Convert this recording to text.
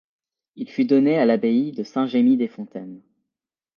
Il fut donné à l’abbaye de Saint-Génis-des-Fontaines.